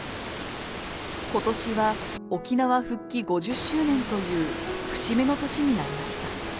ことしは沖縄復帰５０周年という節目の年になりました。